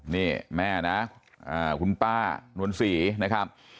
นี่แม่นะคุณป้านวลศรีนะครับ